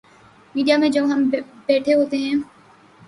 Media میں جب ہم بیٹھے ہوتے ہیں۔